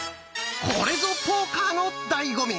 これぞポーカーのだいご味！